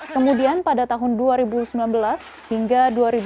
kemudian pada tahun dua ribu sembilan belas hingga dua ribu dua puluh